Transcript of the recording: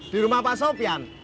di rumah pak sofian